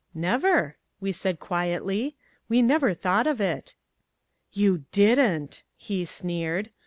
"Never," we said quietly, "we never thought of it." "You didn't!" he sneered.